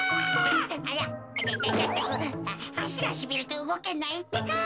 あしがしびれてうごけないってか。